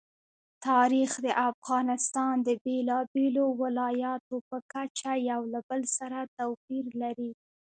تاریخ د افغانستان د بېلابېلو ولایاتو په کچه یو له بل سره توپیر لري.